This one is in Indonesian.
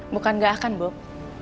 bukan gak akan bob